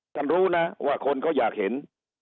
ท่านรู้นะว่าคนเขาอยากเห็น